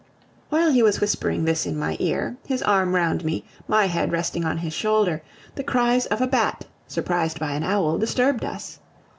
While he was whispering this in my ear, his arm round me, my head resting on his shoulder, the cries of a bat, surprised by an owl, disturbed us.